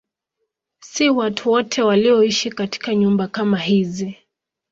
Si watu wote walioishi katika nyumba kama hizi.